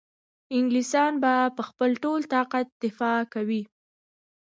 انګلیسیان به په خپل ټول طاقت دفاع کوي.